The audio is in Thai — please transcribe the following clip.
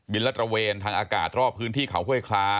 ละตระเวนทางอากาศรอบพื้นที่เขาห้วยคลา